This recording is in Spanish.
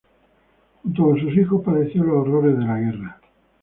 Junto con sus hijos padeció los horrores de la guerra.